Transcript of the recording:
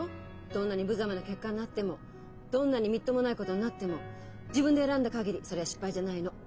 どんなにぶざまな結果になってもどんなにみっともないことになっても自分で選んだ限りそれは失敗じゃないの。